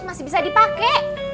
masih bisa dipake